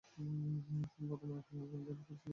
তিনি বর্তমানে টাঙ্গাইল জেলা পরিষদের প্রশাসক।